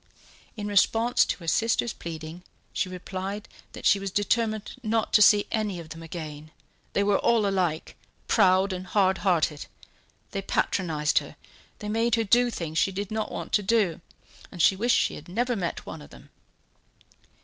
In response to her sister's pleading she replied that she was determined not to see any of them again, they were all alike, proud and hard hearted; they patronized her, they made her do things she did not want to do, and she wished she had never met one of them.